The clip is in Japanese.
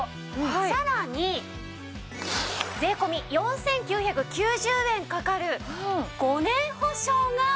さらに税込４９９０円かかる５年保証が無料。